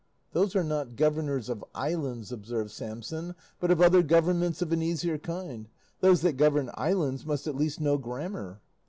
"Those are not governors of islands," observed Samson, "but of other governments of an easier kind: those that govern islands must at least know grammar."